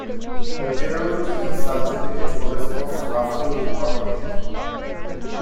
The territory he subjugated corresponds roughly with North Vietnam.